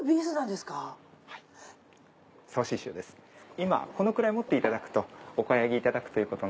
今このくらい持っていただくとお買い上げいただくということに。